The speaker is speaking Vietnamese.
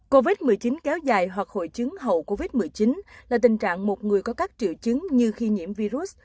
covid một mươi chín kéo dài hoặc hội chứng hậu covid một mươi chín là tình trạng một người có các triệu chứng như khi nhiễm virus